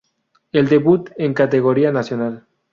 El debut en categoría nacional.